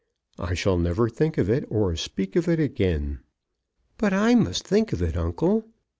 I shall never think of it, or speak of it again." "But I must think of it, uncle."